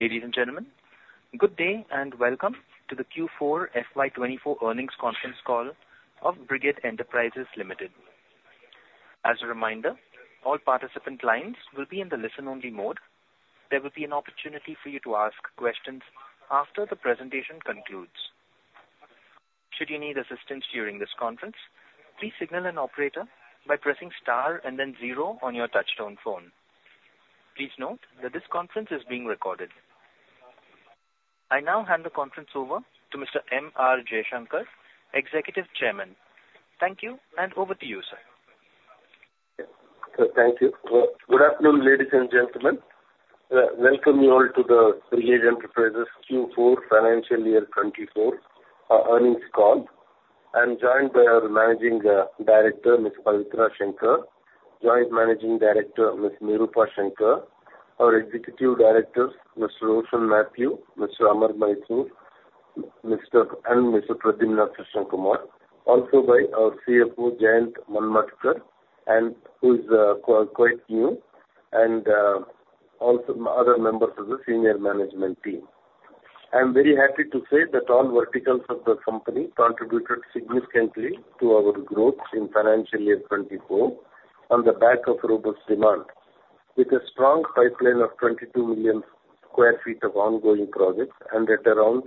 Ladies and gentlemen, good day and welcome to the Q4 FY 2024 earnings conference call of Brigade Enterprises Limited. As a reminder, all participant lines will be in the listen-only mode. There will be an opportunity for you to ask questions after the presentation concludes. Should you need assistance during this conference, please signal an operator by pressing star and then zero on your touchtone phone. Please note that this conference is being recorded. I now hand the conference over to Mr. M.R. Jaishankar, Executive Chairman. Thank you, and over to you, sir. Thank you. Good afternoon, ladies and gentlemen. Welcome you all to the Brigade Enterprises Q4 financial year 2024 earnings call. I'm joined by our Managing Director, Ms. Pavitra Shankar, Joint Managing Director, Ms. Nirupa Shankar. Our Executive Directors, Mr. Roshin Mathew, Mr. Amar Mysore, and Mr. Pradyumna Krishnakumar, also by our CFO, Jayant Manmadkar, who's quite new, and also other members of the senior management team. I'm very happy to say that all verticals of the company contributed significantly to our growth in financial year 2024 on the back of robust demand. With a strong pipeline of 22 million sq ft of ongoing projects and at around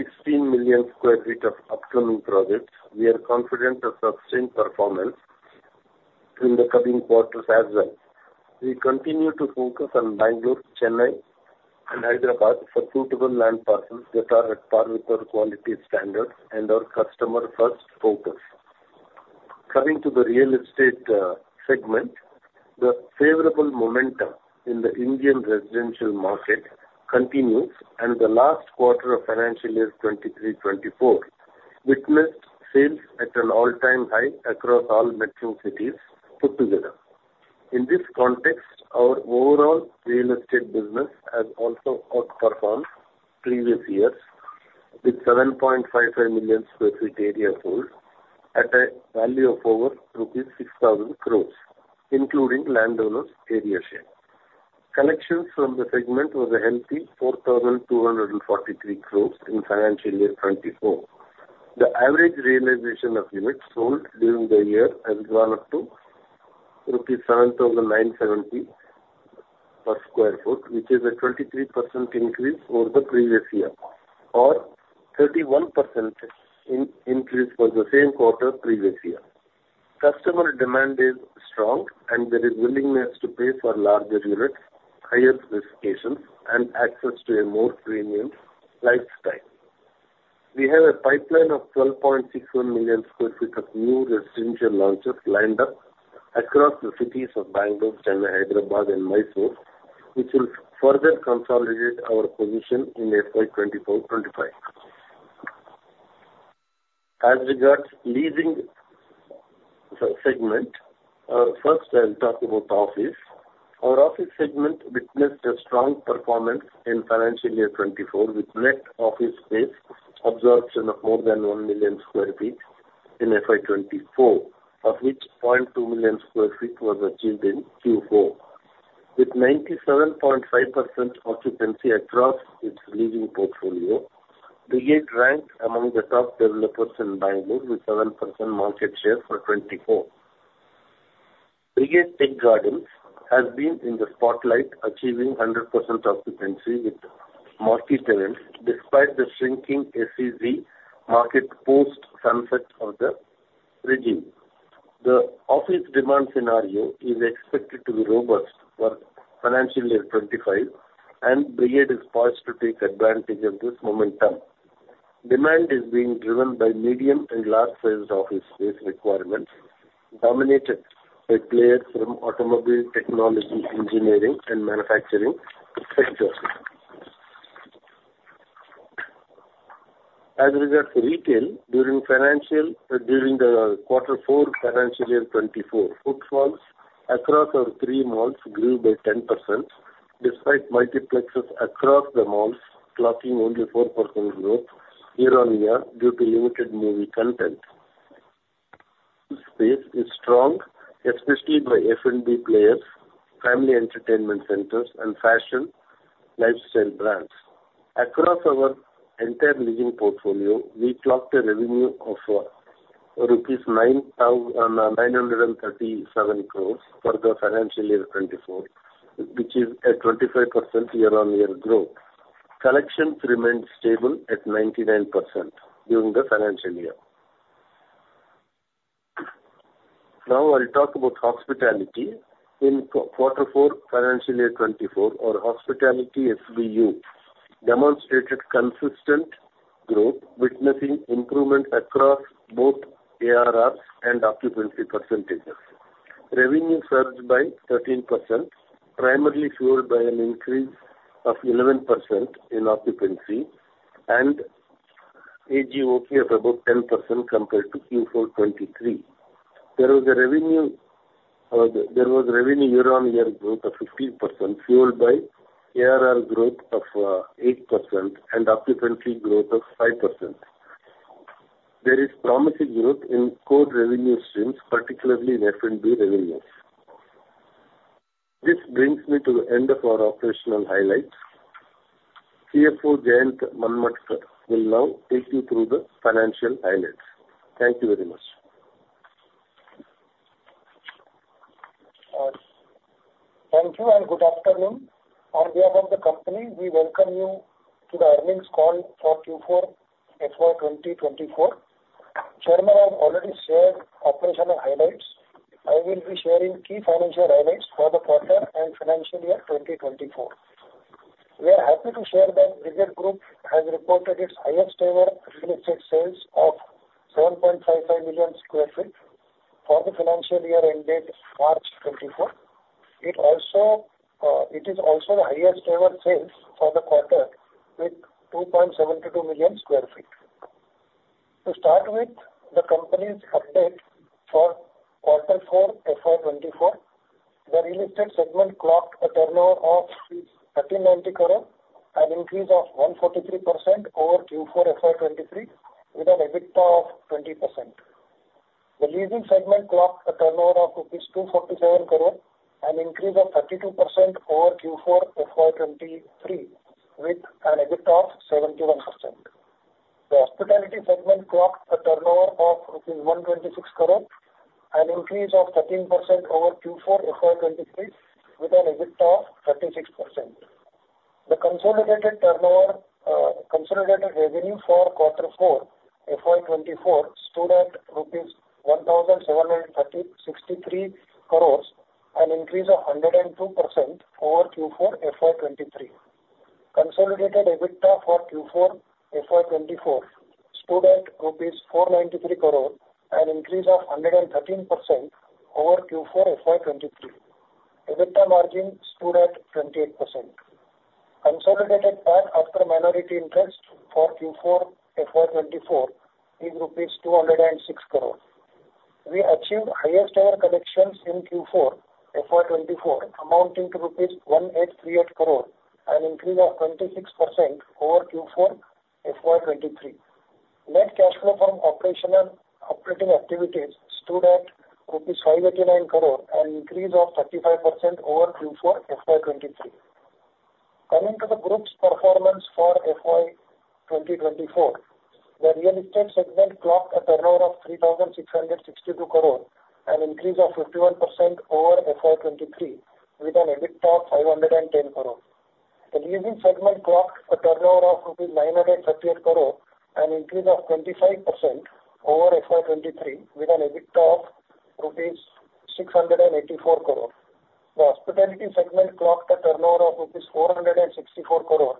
16 million sq ft of upcoming projects, we are confident of sustained performance in the coming quarters as well. We continue to focus on Bangalore, Chennai, and Hyderabad for suitable land parcels that are at par with our quality standards and our customer-first focus. Coming to the real estate, segment, the favorable momentum in the Indian residential market continues, and the last quarter of financial year 2023-24 witnessed sales at an all-time high across all metro cities put together. In this context, our overall real estate business has also outperformed previous years, with 7.55 million sq ft area sold at a value of over rupees 6,000 crore, including landowner's area share. Collections from the segment was a healthy 4,243 crore in financial year 2024. The average realization of units sold during the year has gone up to 7,970 per sq ft, which is a 23% increase over the previous year, or 31% increase for the same quarter previous year. Customer demand is strong, and there is willingness to pay for larger units, higher specifications, and access to a more premium lifestyle. We have a pipeline of 12.61 million sq ft of new residential launches lined up across the cities of Bangalore, Chennai, Hyderabad, and Mysore, which will further consolidate our position in FY 2024-2025. As regards leasing subsegment, first I'll talk about office. Our office segment witnessed a strong performance in financial year 2024, with net office space absorption of more than 1 million sq ft in FY 2024, of which 0.2 million sq ft was achieved in Q4. With 97.5% occupancy across its leading portfolio, Brigade ranks among the top developers in Bangalore, with 7% market share for 2024. Brigade Tech Gardens has been in the spotlight, achieving 100% occupancy with multi-tenants despite the shrinking SEZ market post sunset of the regime. The office demand scenario is expected to be robust for financial year 2025, and Brigade is poised to take advantage of this momentum. Demand is being driven by medium- and large-sized office space requirements, dominated by players from automobile, technology, engineering, and manufacturing sectors. As regards to retail, during the quarter four financial year 2024, footfalls across our three malls grew by 10%, despite multiplexes across the malls clocking only 4% growth year-on-year due to limited movie content. Space is strong, especially by F&B players, family entertainment centers, and fashion lifestyle brands. Across our entire living portfolio, we clocked a revenue of rupees 937 crore for the financial year 2024, which is a 25% year-on-year growth. Collections remained stable at 99% during the financial year. Now I'll talk about hospitality. In quarter four, financial year 2024, our hospitality SBU demonstrated consistent growth, witnessing improvement across both ARRs and occupancy percentages. Revenue surged by 13%, primarily fueled by an increase of 11% in occupancy and ADR of about 10% compared to Q4 2023. There was a revenue, there was revenue year-on-year growth of 15%, fueled by ARR growth of eight percent and occupancy growth of 5%. There is promising growth in core revenue streams, particularly in F&B revenues. This brings me to the end of our operational highlights. CFO, Jayant Manmadkar, will now take you through the financial highlights. Thank you very much. Thank you, and good afternoon. On behalf of the company, we welcome you to the earnings call for Q4 FY 2024. Chairman has already shared operational highlights. I will be sharing key financial highlights for the quarter and financial year 2024. We are happy to share that Brigade Group has reported its highest ever real estate sales of 7.55 million sq ft for the financial year ended March 2024. It also, it is also the highest ever sales for the quarter with 2.72 million sq ft. To start with, the company's update for quarter four FY 2024, the real estate segment clocked a turnover of 1,390 crore, an increase of 143% over Q4 FY 2023, with an EBITDA of 20%. The leasing segment clocked a turnover of INR 247 crore, an increase of 32% over Q4 FY 2023, with an EBITDA of 71%. The hospitality segment clocked a turnover of INR 126 crore, an increase of 13% over Q4 FY 2023, with an EBITDA of 36%. The consolidated turnover, consolidated revenue for quarter four FY 2024 stood at rupees 1,763 crore, an increase of 102% over Q4 FY 2023. Consolidated EBITDA for Q4 FY 2024 stood at rupees 493 crore, an increase of 113% over Q4 FY 2023. EBITDA margin stood at 28%. Consolidated PAT after minority interest for Q4 FY 2024 is rupees 206 crore. We achieved highest ever collections in Q4 FY 2024, amounting to rupees 1,838 crore, an increase of 26% over Q4 FY 2023. Net cash flow from operating activities stood at rupees 589 crore, an increase of 35% over Q4 FY 2023. Coming to the group's performance for FY 2024, the real estate segment clocked a turnover of 3,662 crore, an increase of 51% over FY 2023, with an EBITDA of 510 crore. The leasing segment clocked a turnover of 938 crore, an increase of 25% over FY 2023, with an EBITDA of rupees 684 crore. The hospitality segment clocked a turnover of rupees 464 crore,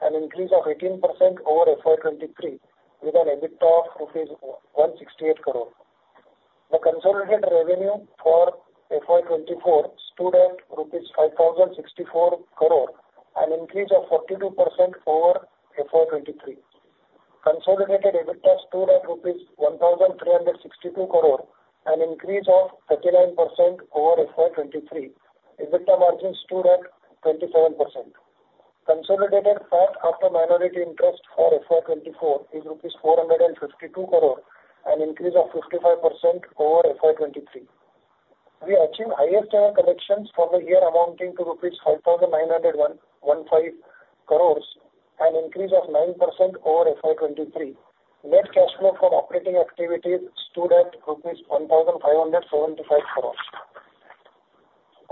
an increase of 18% over FY 2023, with an EBITDA of rupees 168 crore. The consolidated revenue for FY 2024 stood at rupees 5,064 crore, an increase of 42% over FY 2023. Consolidated EBITDA stood at rupees 1,362 crore, an increase of 39% over FY 2023. EBITDA margin stood at 27%. Consolidated PAT after minority interest for FY 2024 is rupees 452 crore, an increase of 55% over FY 2023. We achieved highest ever collections for the year amounting to rupees 5,915 crore, an increase of 9% over FY 2023. Net cash flow from operating activities stood at INR 1,575 crore.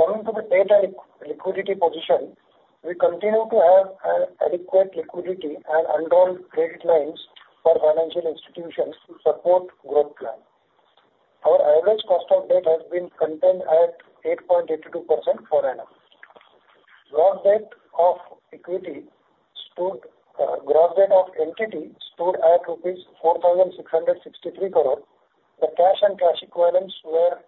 Coming to the debt and liquidity position, we continue to have an adequate liquidity and undrawn credit lines for financial institutions to support growth plan. Our average cost of debt has been contained at 8.82% per annum. Gross debt of equity stood, gross debt of entity stood at rupees 4,663 crore. The cash and cash equivalents were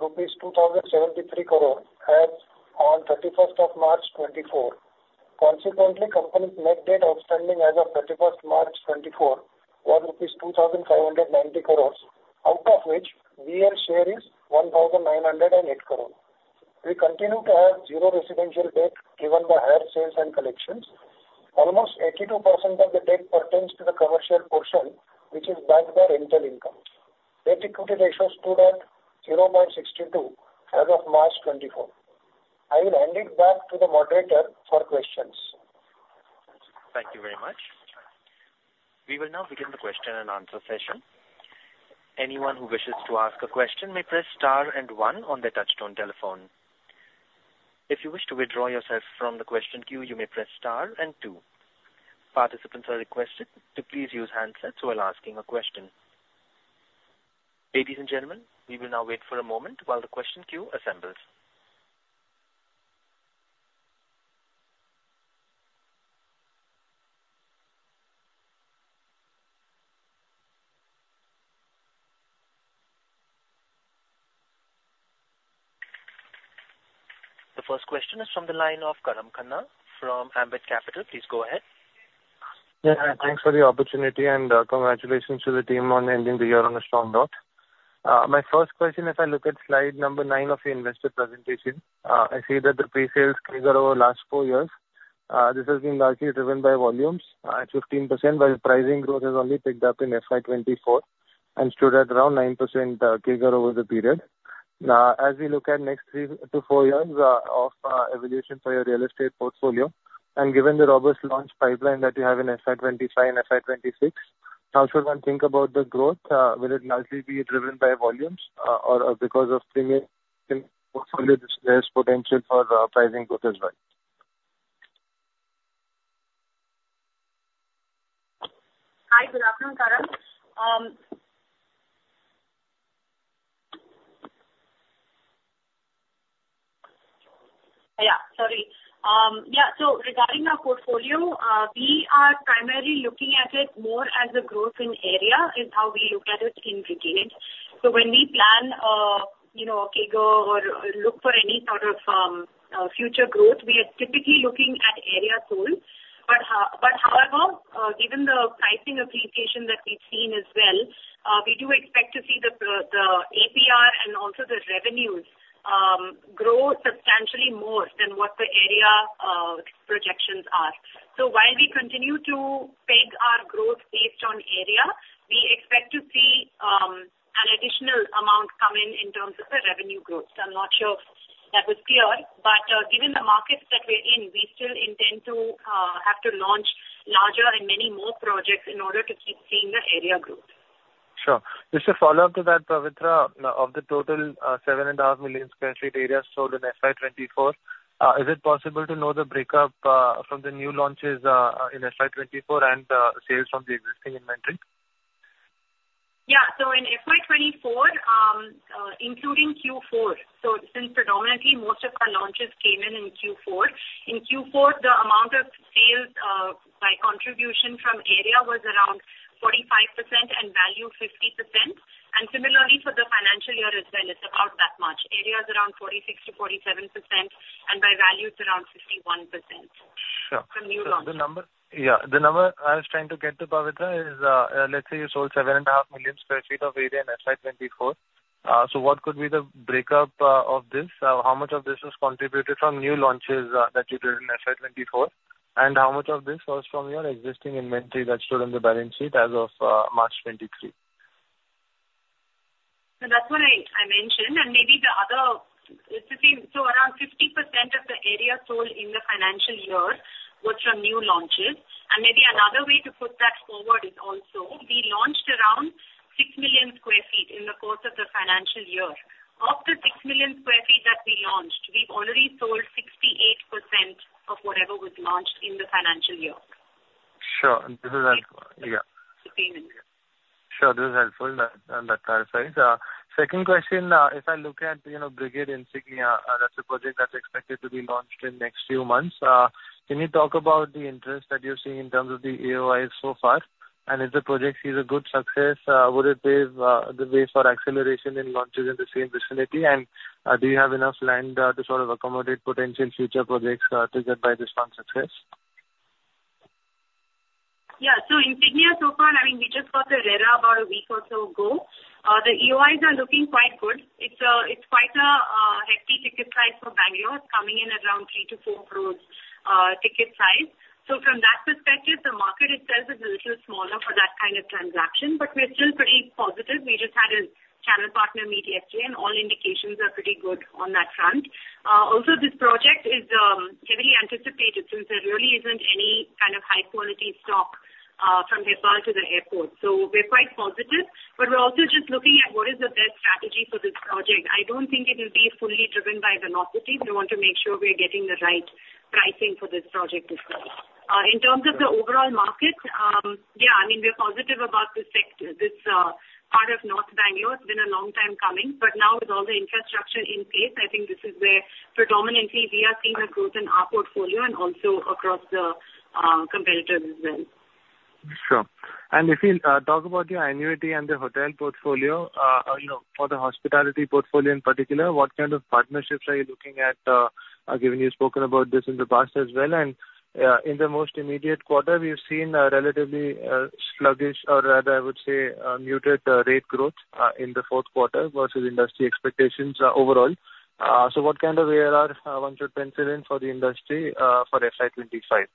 rupees 2,073 crore as on March 31, 2024. Consequently, company's net debt outstanding as of March 31, 2024, was rupees 2,590 crore, out of which BEL share is 1,908 crore. We continue to have zero residential debt given the higher sales and collections. Almost 82% of the debt pertains to the commercial portion, which is backed by rental income. Debt-equity ratio stood at 0.62 as of March 2024. I will hand it back to the moderator for questions. Thank you very much. We will now begin the question and answer session. Anyone who wishes to ask a question may press star and one on their touchtone telephone. If you wish to withdraw yourself from the question queue, you may press star and two. Participants are requested to please use handsets while asking a question. Ladies and gentlemen, we will now wait for a moment while the question queue assembles. The first question is from the line of Karan Khanna from Ambit Capital. Please go ahead. Yeah, thanks for the opportunity, and, congratulations to the team on ending the year on a strong note. My first question, if I look at slide number 9 of the investor presentation, I see that the pre-sales CAGR over the last 4 years, this has been largely driven by volumes, at 15%, while the pricing growth has only picked up in FY 2024 and stood at around 9%, CAGR over the period. Now, as we look at next 3-4 years, of evolution for your real estate portfolio, and given the robust launch pipeline that you have in FY 2025 and FY 2026, how should one think about the growth? Will it largely be driven by volumes, or, because of premium portfolio, there's potential for pricing growth as well? Hi, good afternoon, Karan. Yeah, sorry. Yeah, so regarding our portfolio, we are primarily looking at it more as a growth in area, is how we look at it in Brigade. So when we plan, you know, CAGR or look for any sort of, future growth, we are typically looking at area sold. But but however, given the pricing appreciation that we've seen as well, we do expect to see the the ARR and also the revenues, grow substantially more than what the area projections are. So while we continue to peg our growth based on area, we expect to see, an additional amount come in, in terms of the revenue growth. I'm not sure if that was clear, but, given the markets that we're in, we still intend to have to launch larger and many more projects in order to keep seeing the area growth. Sure. Just a follow-up to that, Pavitra. Of the total, 7.5 million sq ft area sold in FY 2024, is it possible to know the breakup, in FY 2024 and, sales from the existing inventory? Yeah. So in FY 2024, including Q4, so since predominantly most of our launches came in, in Q4. In Q4, the amount of sales, by contribution from area was around 45% and value, 50%. And similarly, for the financial year as well, it's about that much. Area is around 46%-47%, and by value, it's around 51%. Sure. From new launches. The number... Yeah, the number I was trying to get to, Pavitra, is, let's say you sold 7.5 million sq ft of area in FY 2024. So what could be the breakup of this? How much of this was contributed from new launches that you did in FY 2024? And how much of this was from your existing inventory that showed on the balance sheet as of March 2023? So that's what I mentioned, so around 50% of the area sold in the financial year was from new launches. And maybe another way to put that forward is also, we launched around 6 million sq ft in the course of the financial year. Of the 6 million sq ft that we launched, we've already sold 68% of whatever was launched in the financial year. Sure. This is helpful. Yeah. Okay. Sure, this is helpful. That, that clarifies. Second question, if I look at, you know, Brigade Insignia, that's a project that's expected to be launched in next few months. Can you talk about the interest that you're seeing in terms of the EOIs so far? And if the project sees a good success, would it pave the way for acceleration in launches in the same vicinity? And, do you have enough land to sort of accommodate potential future projects, triggered by this one's success? Yeah. So Insignia, so far, I mean, we just got the RERA about a week or so ago. The EOIs are looking quite good. It's, it's quite a hefty ticket size for Bangalore. It's coming in around 3 crore-4 crore ticket size. So from that perspective, the market itself is a little smaller for that kind of transaction, but we're still pretty positive. We just had a channel partner meet yesterday, and all indications are pretty good on that front. Also, this project is heavily anticipated since there really isn't any kind of high-quality stock from Hebbal to the airport. So we're quite positive, but we're also just looking at what is the best strategy for this project. I don't think it will be fully driven by the novelty. We want to make sure we are getting the right pricing for this project as well. In terms of the overall market, yeah, I mean, we're positive about this sector. This part of North Bangalore, it's been a long time coming, but now with all the infrastructure in place, I think this is where predominantly we are seeing the growth in our portfolio and also across the competitors as well. Sure. And if you talk about your annuity and the hotel portfolio, you know, for the hospitality portfolio in particular, what kind of partnerships are you looking at, given you've spoken about this in the past as well? And in the most immediate quarter, we've seen a relatively sluggish, or rather, I would say, a muted rate growth in the Q4 versus industry expectations overall. So what kind of ARR one should pencil in for the industry for FY 2025?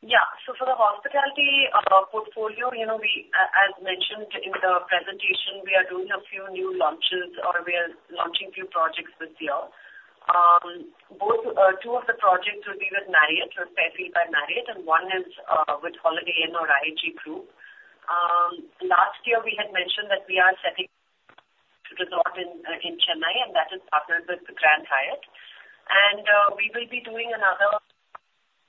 Yeah. So for the hospitality portfolio, you know, we, as mentioned in the presentation, we are doing a few new launches, or we are launching few projects this year. Both two of the projects will be with Marriott, so Fairfield by Marriott, and one is with Holiday Inn or IHG Group. Last year, we had mentioned that we are setting resort in in Chennai, and that is partnered with the Grand Hyatt. And we will be doing another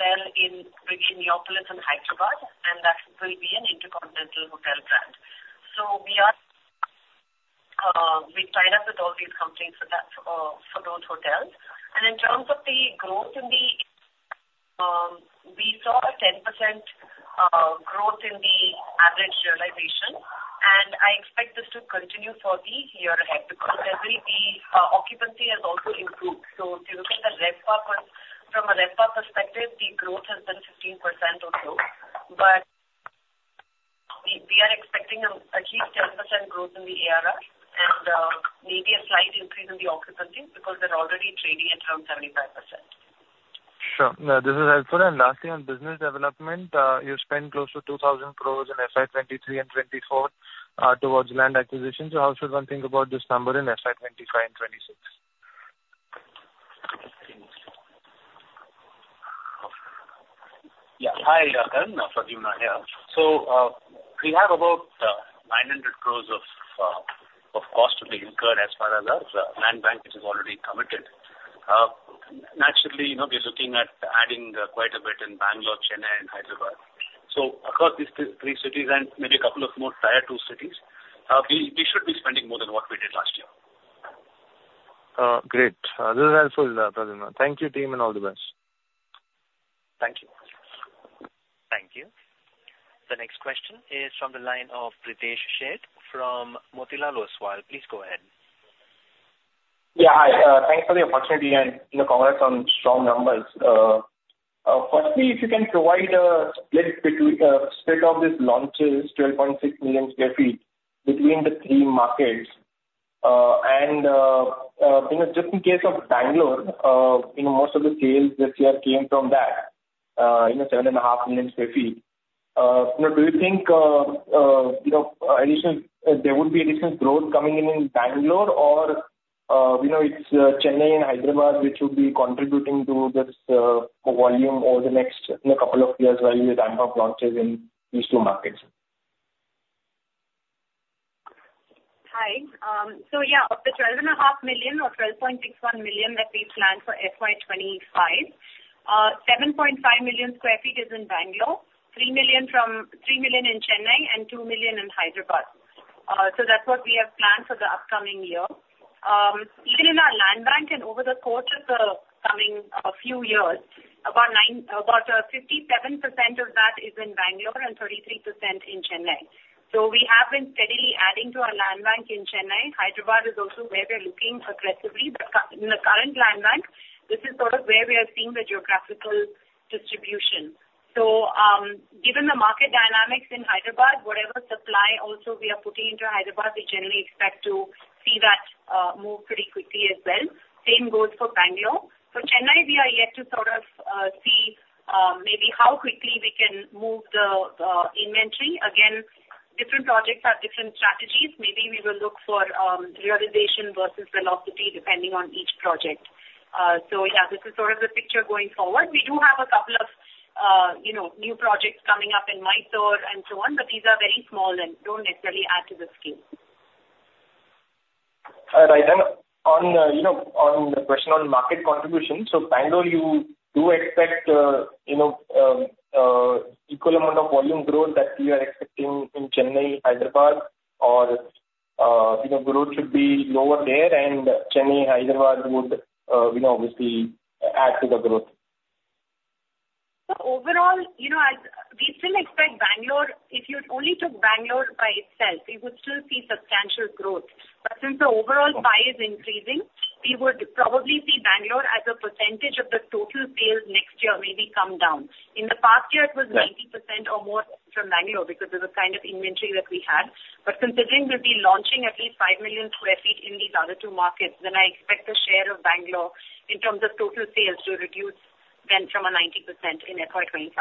well in Brigade Metropolis in Hyderabad, and that will be an InterContinental Hotel brand. So we are, we've tied up with all these companies for that, for those hotels. And in terms of the growth in the, we saw a 10% growth in the average realization, and I expect-... Continue for the year ahead, because occupancy has also improved. So if you look at the RevPAR, from a RevPAR perspective, the growth has been 15% or so. But we are expecting at least 10% growth in the ARR and maybe a slight increase in the occupancy because they're already trading at around 75%. Sure. Yeah, this is helpful. And lastly, on business development, you spent close to 2,000 crore in FY 2023 and 2024, towards land acquisition. So how should one think about this number in FY 2025 and 2026? Yeah. Hi, Karan, Pradyumna here. So, we have about 900 crore of cost to be incurred as far as our land bank, which is already committed. Naturally, you know, we're looking at adding quite a bit in Bangalore, Chennai, and Hyderabad. So across these three cities and maybe a couple of more Tier 2 cities, we should be spending more than what we did last year. Great. This is helpful, Pradyumna. Thank you, team, and all the best. Thank you. Thank you. The next question is from the line of Pritesh Sheth from Motilal Oswal. Please go ahead. Yeah, hi. Thanks for the opportunity, and, you know, congrats on strong numbers. Firstly, if you can provide a split between split of these launches, 12.6 million sq ft, between the three markets. And, you know, just in case of Bangalore, you know, most of the sales this year came from that, you know, 7.5 million sq ft. You know, do you think, you know, additional, there would be additional growth coming in in Bangalore, or, you know, it's, Chennai and Hyderabad, which would be contributing to this, volume over the next, you know, couple of years while you ramp up launches in these two markets? Hi. So yeah, of the 12.5 million, or 12.61 million, that we've planned for FY 2025, 7.5 million sq ft is in Bangalore, 3 million in Chennai, and 2 million in Hyderabad. So that's what we have planned for the upcoming year. Even in our land bank and over the course of the coming few years, about 57% of that is in Bangalore and 33% in Chennai. So we have been steadily adding to our land bank in Chennai. Hyderabad is also where we're looking aggressively. But in the current land bank, this is sort of where we are seeing the geographical distribution. So, given the market dynamics in Hyderabad, whatever supply also we are putting into Hyderabad, we generally expect to see that, move pretty quickly as well. Same goes for Bangalore. For Chennai, we are yet to sort of, see, maybe how quickly we can move the, inventory. Again, different projects have different strategies. Maybe we will look for, realization versus velocity, depending on each project. so yeah, this is sort of the picture going forward. We do have a couple of, you know, new projects coming up in Mysore and so on, but these are very small and don't necessarily add to the scale. Right. And on, you know, on the question on market contribution, so Bangalore, you do expect, you know, equal amount of volume growth that you are expecting in Chennai, Hyderabad, or, you know, growth should be lower there and Chennai, Hyderabad would, you know, obviously add to the growth? So overall, you know, we still expect Bangalore, if you only took Bangalore by itself, you would still see substantial growth. But since the overall pie is increasing, we would probably see Bangalore as a percentage of the total sales next year, maybe come down. In the past year, it was- Right. 90% or more from Bangalore, because of the kind of inventory that we had. But considering we'll be launching at least 5 million sq ft in these other 2 markets, then I expect the share of Bangalore in terms of total sales to reduce then from a 90% in FY 2025.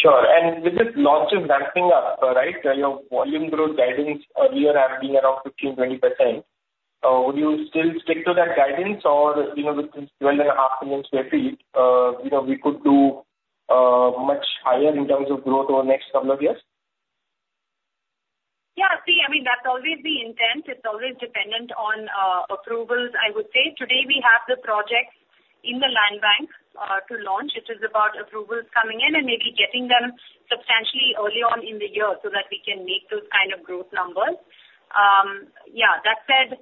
Sure. And with this launch of ramping up, right, your volume growth guidance earlier have been around 15%-20%. Would you still stick to that guidance or, you know, with this 12.5 million sq ft, you know, we could do much higher in terms of growth over the next couple of years? Yeah, see, I mean, that's always the intent. It's always dependent on approvals. I would say today we have the projects in the land bank to launch. It is about approvals coming in and maybe getting them substantially early on in the year, so that we can make those kind of growth numbers. Yeah, that said,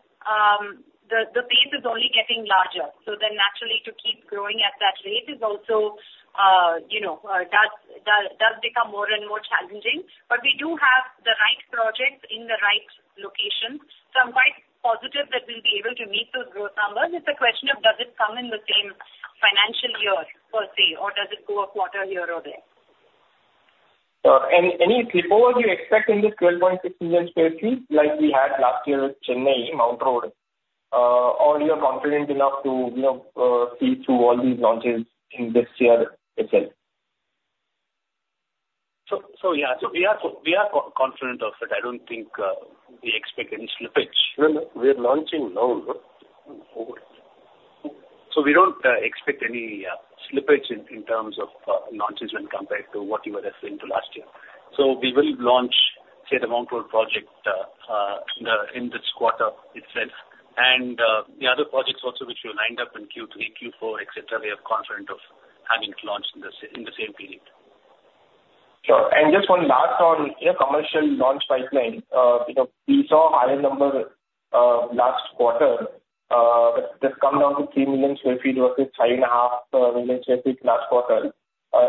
the pace is only getting larger, so then naturally, to keep growing at that rate is also, you know, does become more and more challenging. But we do have the right projects in the right locations, so I'm quite positive that we'll be able to meet those growth numbers. It's a question of, does it come in the same financial year, per se, or does it go a quarter here or there? Any slippage you expect in this 12.6 million sq ft, like we had last year with Chennai, Mount Road? Or you are confident enough to, you know, see through all these launches in this year itself? So yeah. So we are confident of it. I don't think we expect any slippage. No, no, we are launching now, no? Over. So we don't expect any slippage in terms of launches when compared to what you were referring to last year. So we will launch, say, the Mount Road project in this quarter itself. And the other projects also, which we lined up in Q3, Q4, et cetera, we are confident of having it launched in the same period. Sure. And just one last on, you know, commercial launch pipeline. You know, we saw higher numbers last quarter, that's just come down to 3 million sq ft versus 5.5 million sq ft last quarter.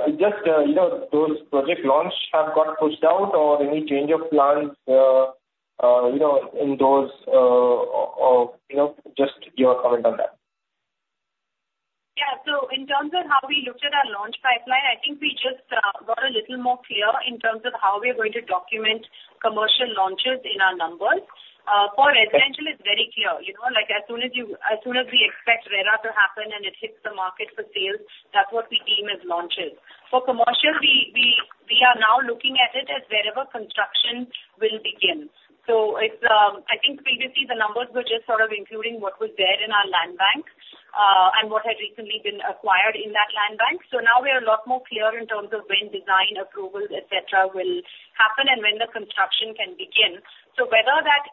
It just, you know, those project launch have got pushed out or any change of plans, you know, in those, or, you know, just your comment on that. Yeah. So in terms of how we looked at our launch pipeline, I think we just got a little more clear in terms of how we are going to document commercial launches in our numbers. For residential it's very clear. You know, like as soon as we expect RERA to happen and it hits the market for sales, that's what we deem as launches. For commercial, we are now looking at it as wherever construction will begin. So it's, I think previously the numbers were just sort of including what was there in our land bank, and what had recently been acquired in that land bank. So now we are a lot more clear in terms of when design approvals, et cetera, will happen and when the construction can begin. So whether that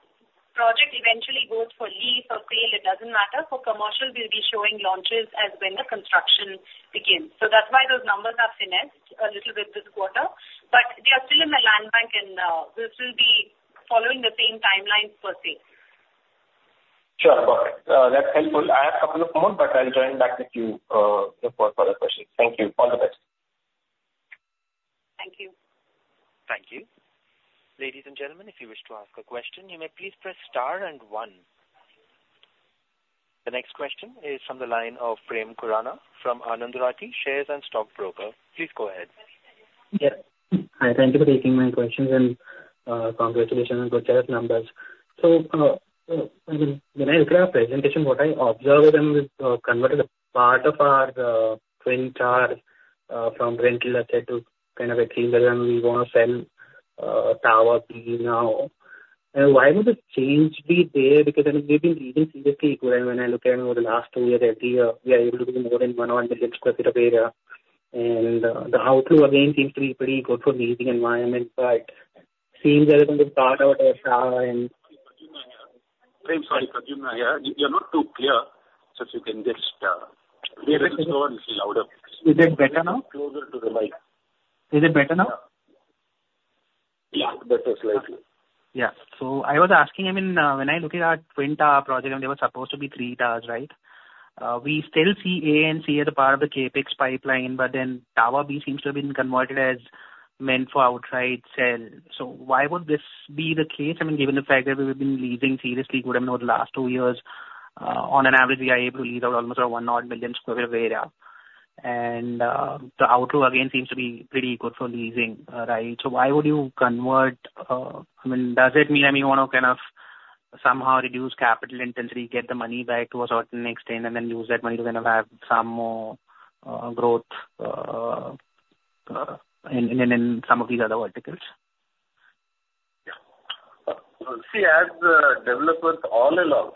project eventually goes for lease or sale, it doesn't matter. For commercial, we'll be showing launches as when the construction begins. So that's why those numbers have finessed a little bit this quarter, but they are still in the land bank and they will still be following the same timelines per se. Sure. Got it. That's helpful. I have a couple of more, but I'll join back with you for the question. Thank you. All the best. Thank you. Thank you. Ladies and gentlemen, if you wish to ask a question, you may please press star and one. The next question is from the line of Prem Khurana from Anand Rathi Share and Stock Brokers. Please go ahead. Yeah. Hi, thank you for taking my questions, and congratulations on good set of numbers. So, when I look at our presentation, what I observed and converted a part of our Twin Towers from rental asset to kind of a thing that we want to sell, Tower B now. And why would the change be there? Because I mean, we've been leasing seriously when I look at over the last two years, every year, we are able to do more than 100 million sq ft of area. And the outlook again seems to be pretty good for leasing environment, but seems as if the part of the tower and- I'm sorry, you're not too clear, so if you can just, little bit more louder. Is it better now? Closer to the mic. Is it better now? Yeah, better slightly. Yeah. So I was asking, I mean, when I look at our Twin Towers project, and they were supposed to be 3 towers, right? We still see A and C as a part of the CapEx pipeline, but then Tower B seems to have been converted as meant for outright sale. So why would this be the case? I mean, given the fact that we've been leasing seriously good over the last 2 years, on an average, we are able to lease out almost 1 odd million sq ft of area. And, the outlook, again, seems to be pretty good for leasing, right? So why would you convert... I mean, does it mean, I mean, you want to kind of somehow reduce capital intensity, get the money back to a certain extent, and then use that money to then have some more growth in some of these other verticals? Yeah. See, as developers all along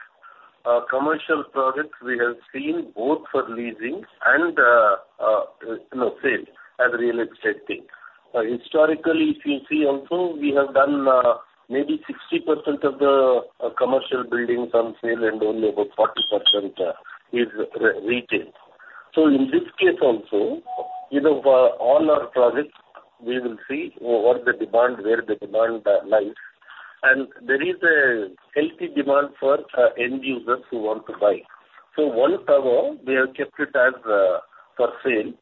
commercial projects, we have seen both for leasing and, you know, sale as real estate thing. Historically, if you see also, we have done maybe 60% of the commercial buildings on sale, and only about 40% is leased. So in this case also, you know, for all our projects, we will see what the demand, where the demand lies. And there is a healthy demand for end users who want to buy. So one tower, we have kept it as for sale,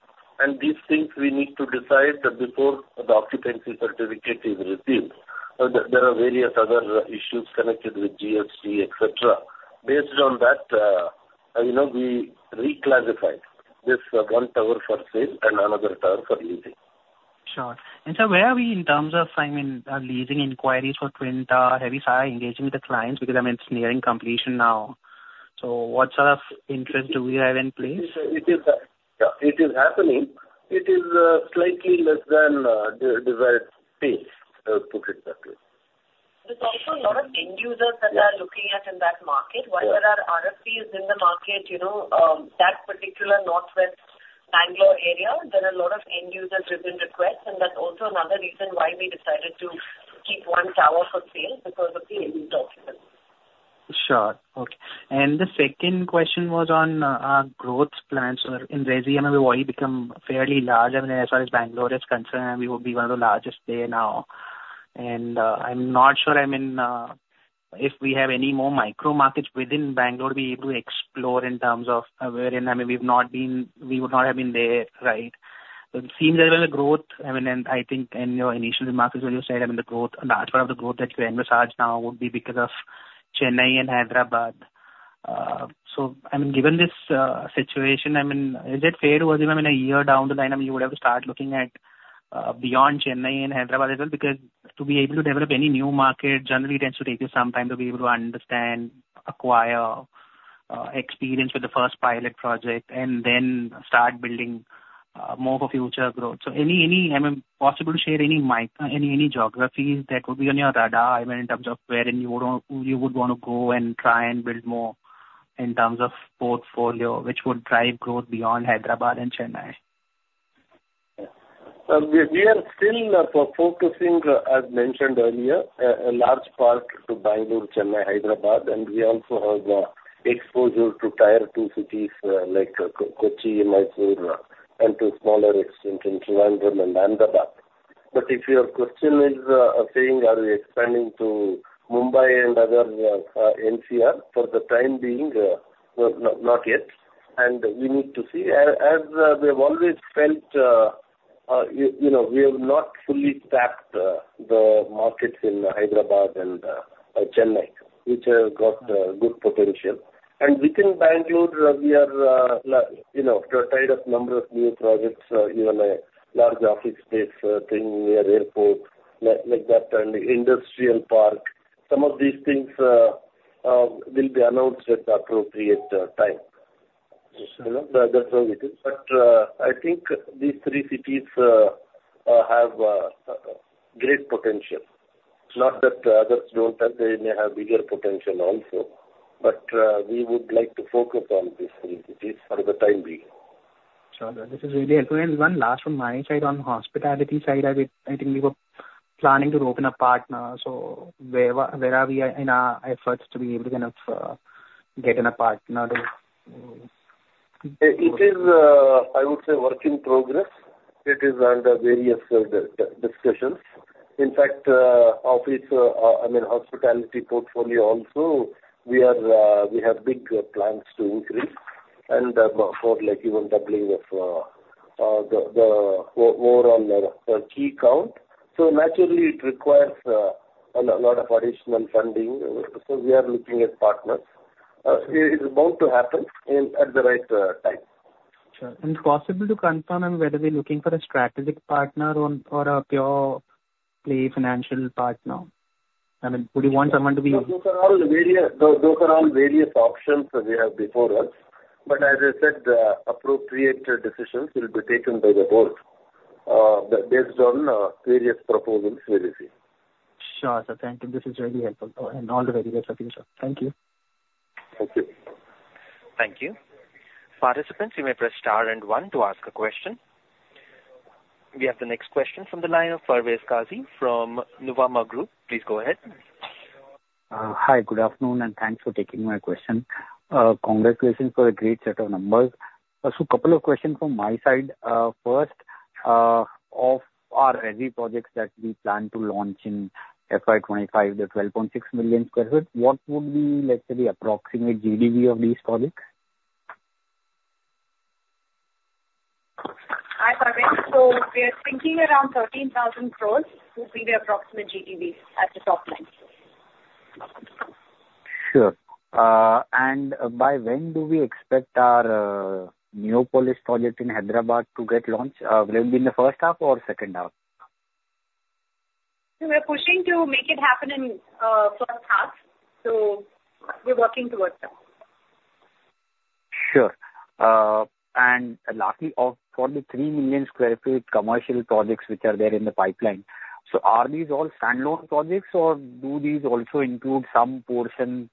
and these things we need to decide before the occupancy certificate is received. There are various other issues connected with GST, et cetera. Based on that, you know, we reclassify this one tower for sale and another tower for leasing. Sure. And so where are we in terms of, I mean, leasing inquiries for Twin Towers? Have you started engaging with the clients? Because, I mean, it's nearing completion now. So what sort of interest do we have in place? It is, yeah, it is happening. It is slightly less than the desired pace, put it that way. There's also a lot of end users- Yeah that are looking at in that market. Yeah. While there are RFPs in the market, you know, that particular Northwest Bangalore area, there are a lot of end-user driven requests, and that's also another reason why we decided to keep one tower for sale because of the end users. Sure. Okay. And the second question was on our growth plans in resi. I mean, we've already become fairly large. I mean, as far as Bangalore is concerned, we will be one of the largest there now. And I'm not sure. I mean, if we have any more micro markets within Bangalore we're able to explore in terms of wherein, I mean, we've not been—we would not have been there, right? It seems as well the growth. I mean, and I think in your initial markets, when you said, I mean, the growth, large part of the growth that you envisage now would be because of Chennai and Hyderabad. So, I mean, given this situation, I mean, is it fair to assume, I mean, a year down the line, I mean, you would have to start looking at, beyond Chennai and Hyderabad as well? Because to be able to develop any new market, generally tends to take you some time to be able to understand, acquire, experience with the first pilot project and then start building, more for future growth. So any, any, I mean, possible to share any any geographies that could be on your radar, I mean, in terms of wherein you would, you would want to go and try and build more in terms of portfolio, which would drive growth beyond Hyderabad and Chennai? We are still focusing, as mentioned earlier, a large part to Bangalore, Chennai, Hyderabad, and we also have exposure to tier two cities, like Kochi, Mysore, and to smaller extent in Trivandrum and Ahmedabad. But if your question is saying are we expanding to Mumbai and other NCR, for the time being, no, not yet. And we need to see. As we have always felt, you know, we have not fully tapped the markets in Hyderabad and Chennai, which have got good potential. And within Bangalore we are, you know, tied up number of new projects, even a large office space thing near airport, like that, and industrial park. Some of these things will be announced at the appropriate time. You know, that's how it is. I think these three cities have great potential. It's not that the others don't, as they may have bigger potential also, but we would like to focus on these three cities for the time being. Sure, this is really helpful. And one last from my side. On the hospitality side, I think, I think we were planning to open a partner. So where are we in our efforts to be able to kind of get in a partner? It is, I would say, work in progress. It is under various discussions. In fact, office, I mean, hospitality portfolio also, we are, we have big plans to increase and, for like even doubling of, the overall key count. So naturally, it requires a lot of additional funding, so we are looking at partners. It is bound to happen in at the right time. Sure. And it's possible to confirm whether we're looking for a strategic partner or a pure play financial partner? I mean, would you want someone to be- Those are all various options that we have before us. But as I said, the appropriate decisions will be taken by the board, based on various proposals we receive. Sure, sir. Thank you. This is really helpful. All the very best, sir. Thank you. Thank you. Thank you. Participants, you may press star and one to ask a question. We have the next question from the line of Parvez Qazi from Nuvama Group. Please go ahead. Hi. Good afternoon, and thanks for taking my question. Congratulations for the great set of numbers. Just a couple of questions from my side. First, of our ready projects that we plan to launch in FY 2025, the 12.6 million sq ft, what would be, let's say, the approximate GDV of these projects? Hi, Parvez. We are thinking around 13,000 crore will be the approximate GDV at the top line. Sure. And by when do we expect our Neopolis project in Hyderabad to get launched? Will it be in the first half or second half? So we are pushing to make it happen in first half, so we're working towards that. Sure. And lastly, for the 3 million sq ft commercial projects which are there in the pipeline, so are these all standalone projects, or do these also include some portion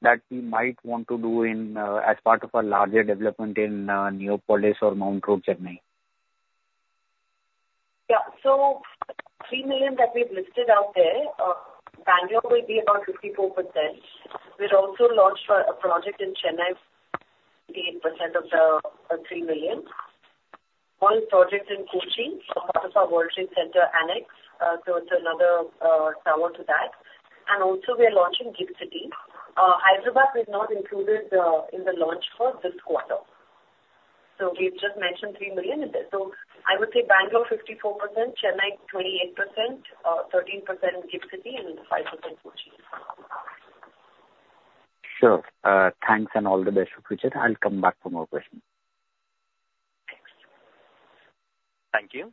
that we might want to do in, as part of our larger development in, Neopolis or Mount Road, Chennai? Yeah. So 3 million that we've listed out there, Bangalore will be about 54%. We've also launched a project in Chennai, 8% of the 3 million. One project in Kochi, so part of our World Trade Center annex. So it's another tower to that. And also we are launching GIFT City. Hyderabad is not included in the launch for this quarter. So we've just mentioned 3 million in this. So I would say Bangalore, 54%, Chennai, 28%, 13% GIFT City, and 5% Kochi. Sure. Thanks and all the best for future. I'll come back for more questions. Thank you.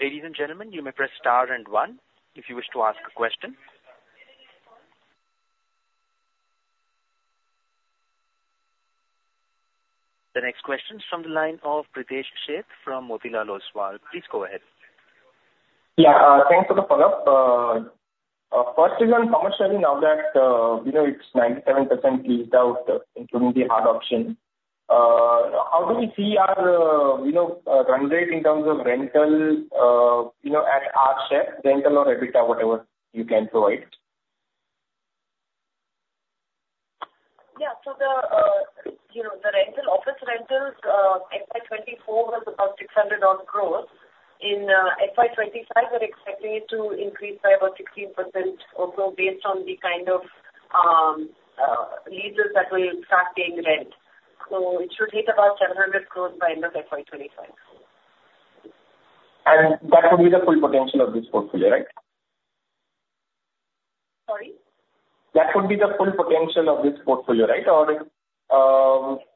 Ladies and gentlemen, you may press star and one if you wish to ask a question. The next question is from the line of Pritesh Sheth from Motilal Oswal. Please go ahead. Yeah, thanks for the follow-up. First is on commercial. Now that, you know, it's 97% leased out, including the hard option, how do we see our, you know, run rate in terms of rental, you know, at our share, rental or EBITDA, whatever you can provide? Yeah. So the, you know, the rental, office rentals, FY 2024 was about INR 600 odd crore. In, FY 2025, we're expecting it to increase by about 16% or so, based on the kind of, leases that will start paying rent. So it should hit about 700 crore by end of FY 2025. That would be the full potential of this portfolio, right? Sorry? That would be the full potential of this portfolio, right? Or is, That is INR 700 crore. Full potential- Okay. Is at INR 700 crore. Okay,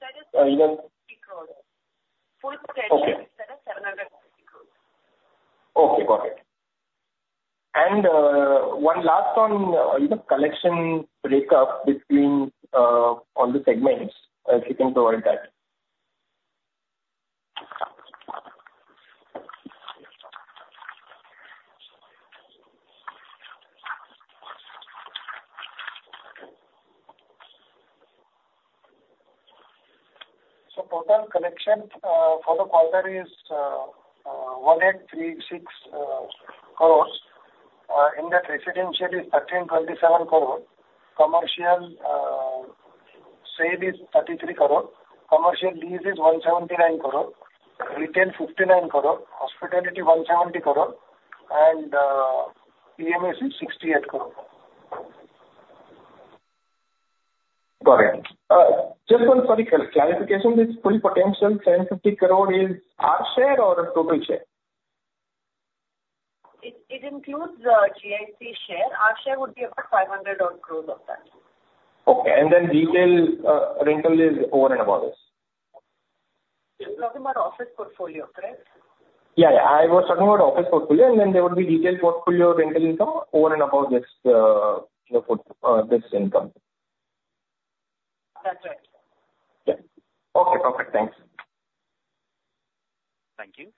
got it. One last on, you know, collection breakup between on the segments, if you can provide that? Total collection for the quarter is 1,836 crore. In that, residential is 1,327 crore. Commercial, Sale is 33 crore, commercial lease is 179 crore, retail 59 crore, hospitality 170 crore, and PMS is 68 crore. Correct. Just one, sorry, clarification. This full potential, 750 crore is our share or total share? It includes GIC share. Our share would be about 500-odd crore of that. Okay. And then retail rental is over and above this? You're talking about office portfolio, correct? Yeah, yeah. I was talking about office portfolio, and then there would be retail portfolio rental income over and above this, this income. That's right. Yeah. Okay, perfect. Thanks. Thank you.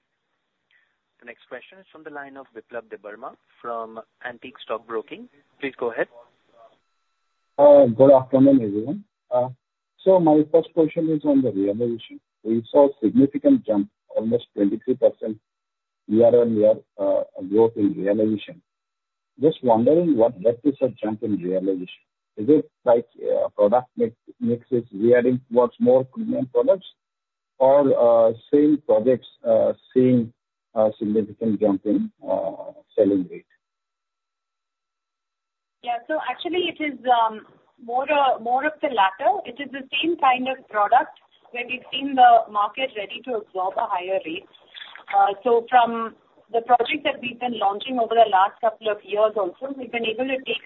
The next question is from the line of Biplab Debbarma from Antique Stock Broking. Please go ahead. Good afternoon, everyone. So my first question is on the realization. We saw a significant jump, almost 23% year-on-year growth in realization. Just wondering, what led to such jump in realization? Is it like, product mix is gearing towards more premium products or, same projects, seeing a significant jump in, selling rate? Yeah. So actually it is more of the latter. It is the same kind of product, where we've seen the market ready to absorb a higher rate. So from the projects that we've been launching over the last couple of years also, we've been able to take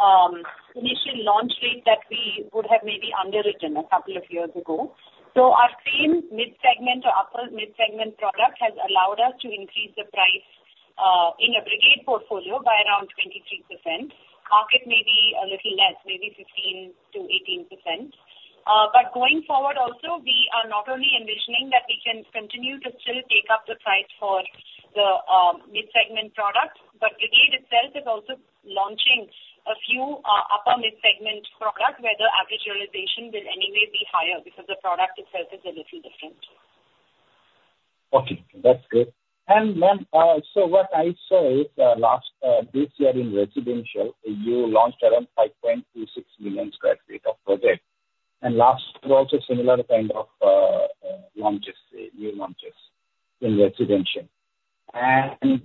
up the initial launch rate that we would have maybe underwritten a couple of years ago. So our same mid-segment or upper mid-segment product has allowed us to increase the price in a Brigade portfolio by around 23%. Market may be a little less, maybe 15%-18%. But going forward also, we are not only envisioning that we can continue to still take up the price for the mid-segment products, but Brigade itself is also launching a few upper mid-segment product, where the average realization will anyway be higher because the product itself is a little different. Okay, that's good. And then, so what I saw is, last, this year in residential, you launched around 5.26 million sq ft of project, and last year also similar kind of launches, new launches in residential. And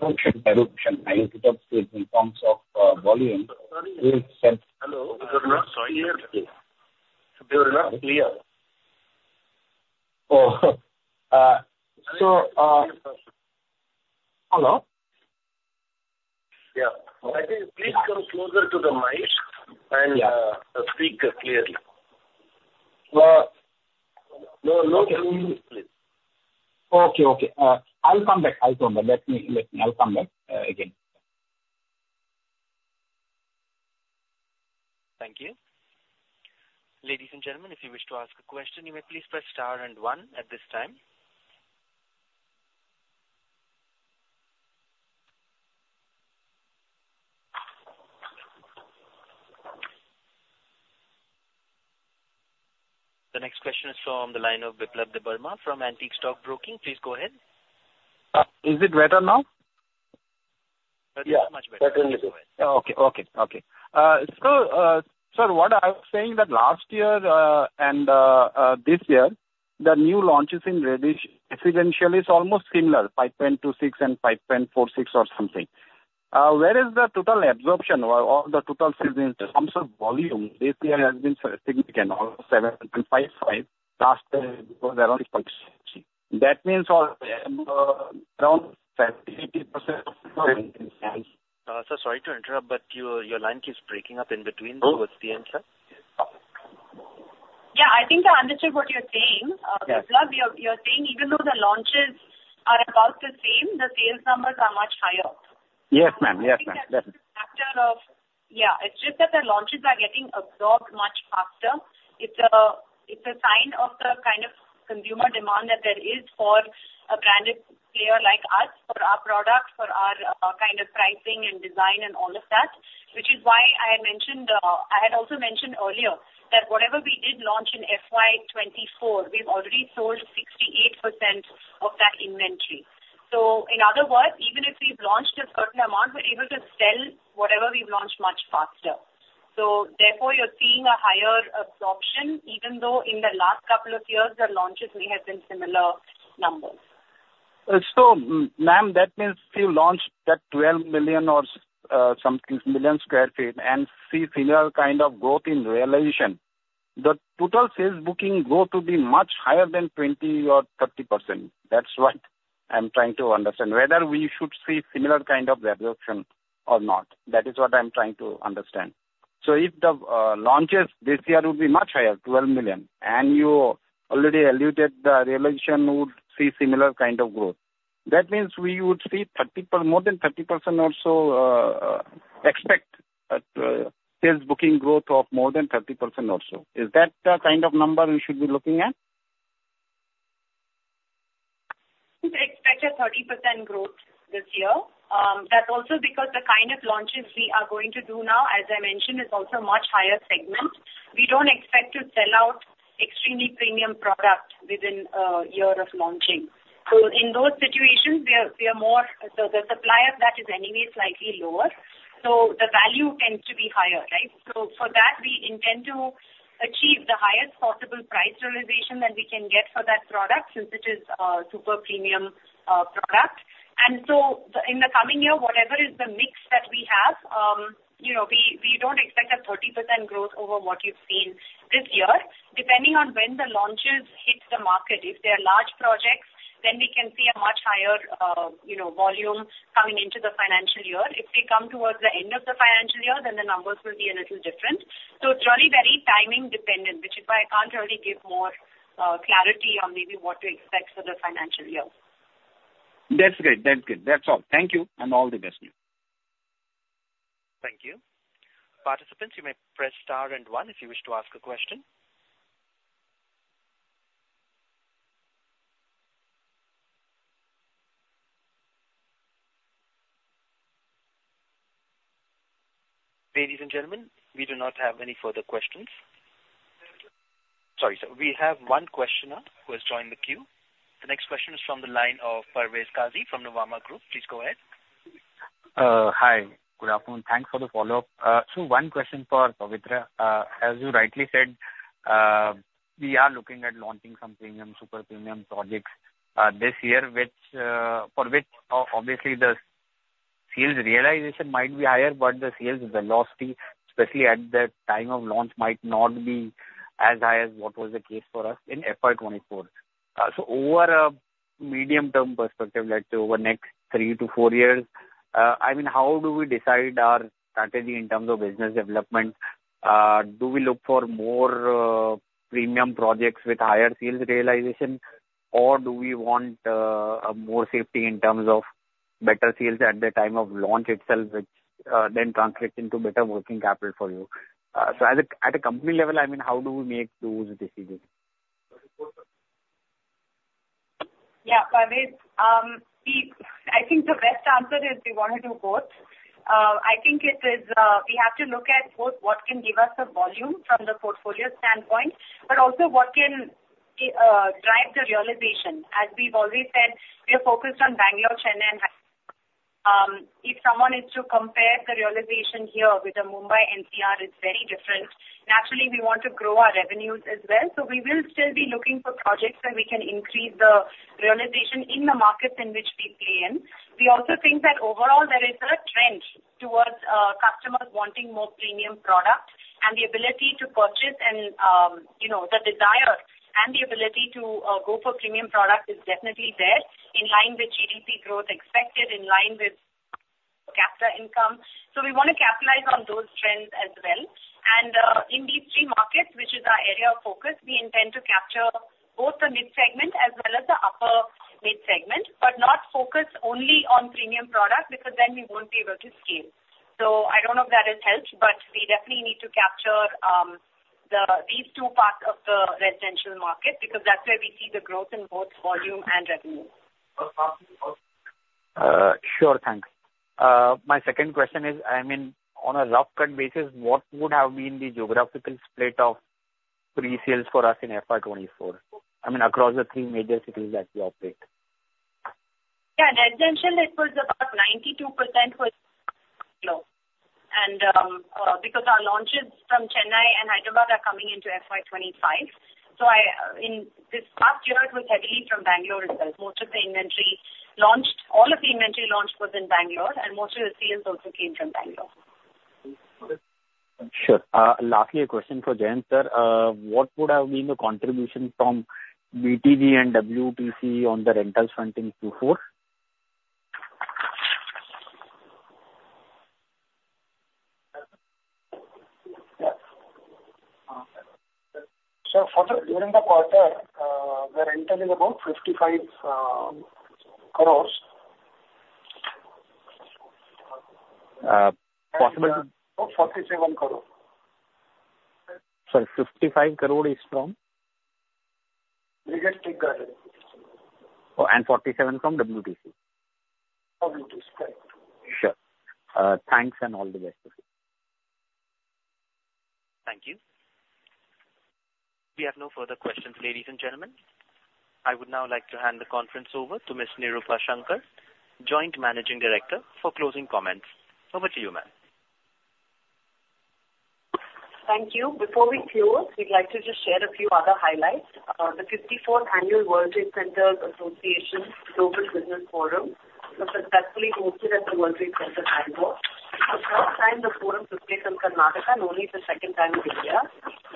in terms of, volume- Hello? You're not so clear. You're not clear. Oh. So... Hello? Yeah. I think please come closer to the mic and, Yeah. Speak clearly. No, no, please. Okay, okay. I'll come back. I'll come back. Let me, let me... I'll come back, again. Thank you. Ladies and gentlemen, if you wish to ask a question, you may please press star and one at this time. The next question is from the line of Biplab Debbarma from Antique Stock Broking. Please go ahead. Is it better now? That's much better. Yeah, better now. Okay, okay, okay. So what I was saying that last year and this year, the new launches in residential is almost similar, 5.26 and 5.46 or something. Whereas the total absorption or the total sales in terms of volume this year has been significant, almost 7.55, last year it was around 0.6. That means around 70%-80%. Sir, sorry to interrupt, but your line keeps breaking up in between- Oh. - toward the end, sir. Yeah, I think I understood what you're saying, Biplab. Yeah. You're saying even though the launches are about the same, the sales numbers are much higher. Yes, ma'am. Yes, ma'am. I think that's a factor of... Yeah, it's just that the launches are getting absorbed much faster. It's a, it's a sign of the kind of consumer demand that there is for a branded player like us, for our product, for our, kind of pricing and design and all of that. Which is why I had mentioned, I had also mentioned earlier, that whatever we did launch in FY 2024, we've already sold 68% of that inventory. So in other words, even if we've launched a certain amount, we're able to sell whatever we've launched much faster. So therefore, you're seeing a higher absorption, even though in the last couple of years, the launches may have been similar numbers. So, ma'am, that means you launched that 12 million or something million sq ft and see similar kind of growth in realization. The total sales booking grow to be much higher than 20 or 30%. That's what I'm trying to understand, whether we should see similar kind of absorption or not. That is what I'm trying to understand. So if the launches this year will be much higher, 12 million, and you already alluded the realization would see similar kind of growth. That means we would see more than 30% or so, expect a sales booking growth of more than 30% or so. Is that the kind of number we should be looking at? We expect 30% growth this year. That's also because the kind of launches we are going to do now, as I mentioned, is also a much higher segment. We don't expect to sell out extremely premium product within a year of launching. So in those situations, we are more the supplier that is anyway slightly lower, so the value tends to be higher, right? So for that, we intend to achieve the highest possible price realization that we can get for that product, since it is a super premium product. And so in the coming year, whatever is the mix that we have, you know, we don't expect 30% growth over what you've seen this year. Depending on when the launches hit the market, if they are large projects, then we can see a much higher, you know, volume coming into the financial year. If they come towards the end of the financial year, then the numbers will be a little different. So it's really very timing dependent, which is why I can't really give more clarity on maybe what to expect for the financial year. That's great. That's good. That's all. Thank you, and all the best to you. Thank you. Participants, you may press star and one if you wish to ask a question. Ladies and gentlemen, we do not have any further questions. Sorry, sir. We have one questioner who has joined the queue. The next question is from the line of Parvez Qazi from Nuvama Group. Please go ahead. Hi. Good afternoon. Thanks for the follow-up. So one question for Pavitra. As you rightly said, we are looking at launching some premium, super premium projects this year, which, for which obviously the sales realization might be higher, but the sales velocity, especially at the time of launch, might not be as high as what was the case for us in FY 2024. So over a medium-term perspective, let's say over the next 3-4 years, I mean, how do we decide our strategy in terms of business development? Do we look for more premium projects with higher sales realization, or do we want more safety in terms of better sales at the time of launch itself, which then translates into better working capital for you? At a company level, I mean, how do we make those decisions? Yeah, Parvez, I think the best answer is we want to do both. I think it is, we have to look at both what can give us the volume from the portfolio standpoint, but also what can drive the realization. As we've always said, we are focused on Bangalore, Chennai, and Hyderabad. If someone is to compare the realization here with the Mumbai NCR, it's very different. Naturally, we want to grow our revenues as well, so we will still be looking for projects where we can increase the realization in the markets in which we play in. We also think that overall there is a trend towards customers wanting more premium products, and the ability to purchase and, you know, the desire and the ability to go for premium product is definitely there, in line with GDP growth expected, in line with per capita income. So we want to capitalize on those trends as well. In these three markets, which is our area of focus, we intend to capture both the mid segment as well as the upper mid segment, but not focus only on premium products, because then we won't be able to scale. So I don't know if that has helped, but we definitely need to capture these two parts of the residential market, because that's where we see the growth in both volume and revenue. Sure. Thanks. My second question is, I mean, on a rough cut basis, what would have been the geographical split of pre-sales for us in FY 2024? I mean, across the three major cities that we operate. Yeah, in residential, it was about 92% was Bangalore. And, because our launches from Chennai and Hyderabad are coming into FY 2025, so I, in this past year, it was heavily from Bangalore itself. All of the inventory launched was in Bangalore, and most of the sales also came from Bangalore. Sure. Lastly, a question for Jayant, sir. What would have been the contribution from BTG and WTC on the rental front in Q4? So, during the quarter, the rental is about 55 crore. Possible to- Forty-seven crore. Sorry, 55 crore is from? Residential. Oh, and 47 from WTC. From WTC. Sure. Thanks and all the best to you. Thank you. We have no further questions, ladies and gentlemen. I would now like to hand the conference over to Ms. Nirupa Shankar, Joint Managing Director, for closing comments. Over to you, ma'am. Thank you. Before we close, we'd like to just share a few other highlights. The 54th Annual World Trade Centers Association Global Business Forum was successfully hosted at the World Trade Center Bangalore. The first time the forum took place in Karnataka and only the second time in India.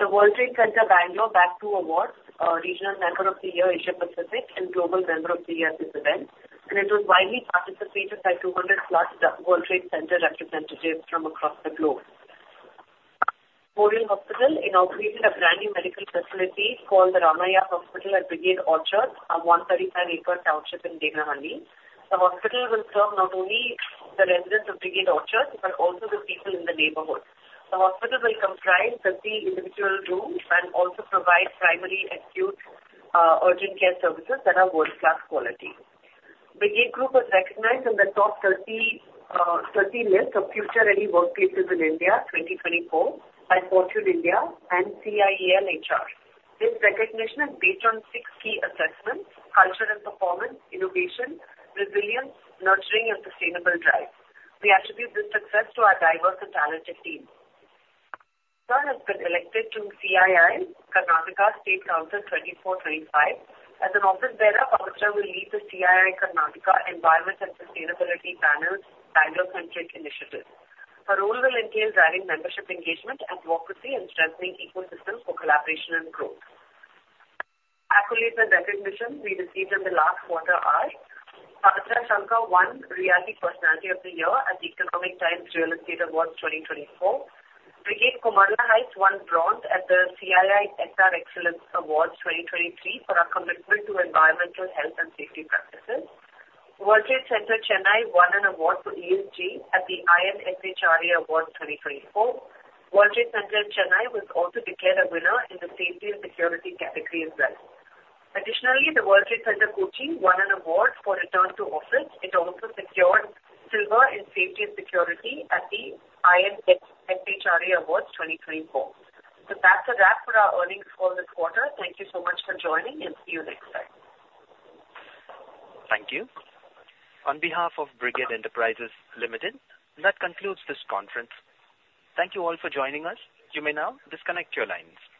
The World Trade Center Bangalore bagged two awards, Regional Member of the Year, Asia Pacific, and Global Member of the Year at this event, and it was widely participated by 200+ World Trade Center representatives from across the globe. Fourth is inaugurated a brand new medical facility called the Ramaiah Hospital at Brigade Orchards, a 135-acre township in Devanahalli. The hospital will serve not only the residents of Brigade Orchards, but also the people in the neighborhood. The hospital will comprise 30 individual rooms and also provide primary, acute, urgent care services that are world-class quality. Brigade Group was recognized in the top 30 list of future-ready workplaces in India 2024 by Fortune India and CIEL HR. This recognition is based on six key assessments: culture and performance, innovation, resilience, nurturing, and sustainable drive. We attribute this success to our diverse and talented team. Pavitra has been elected to CII Karnataka State Council 2024/2025. As an office bearer, Pavitra will lead the CII Karnataka Environment and Sustainability Panel's Bangalore-centric initiatives. Her role will entail driving membership, engagement, advocacy, and strengthening ecosystem for collaboration and growth. Accolades and recognition we received in the last quarter are: Pavitra Shankar won Realty Personality of the Year at the Economic Times Real Estate Awards 2024. Brigade Komarla Heights won bronze at the CII EHS Excellence Awards 2023 for our commitment to environmental health and safety practices. World Trade Center Chennai won an award for ESG at the iNFHRA Awards 2024. World Trade Center Chennai was also declared a winner in the safety and security category as well. Additionally, the World Trade Center Kochi won an award for return to office. It also secured silver in safety and security at the iNFHRA Awards 2024. So that's a wrap for our earnings for this quarter. Thank you so much for joining, and see you next time. Thank you. On behalf of Brigade Enterprises Limited, that concludes this conference. Thank you all for joining us. You may now disconnect your lines.